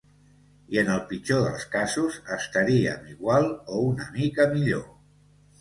I en el pitjor dels casos, estaríem igual o una mica millor.